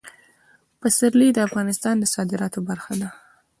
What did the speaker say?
پسرلی د افغانستان د صادراتو برخه ده.